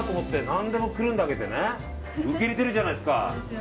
何でもくるんであげて受け入れてるじゃないですか。